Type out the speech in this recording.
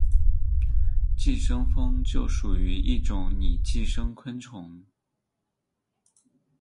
寄生蜂就属于一种拟寄生昆虫。